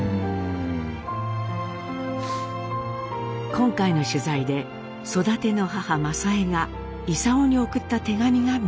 今回の取材で育ての母政枝が勲に送った手紙が見つかりました。